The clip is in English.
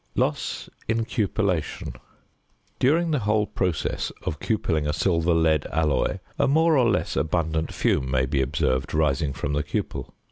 ~Loss in Cupellation.~ During the whole process of cupelling a silver lead alloy a more or less abundant fume may be observed rising from the cupel.